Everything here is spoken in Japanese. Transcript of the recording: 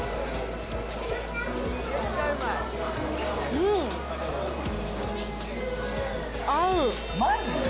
うん、合う。